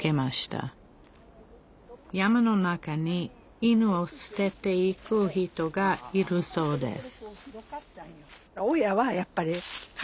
山の中に犬をすてていく人がいるそうです